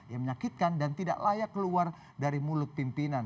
yang menyakitkan dan tidak layak keluar dari mulut pimpinan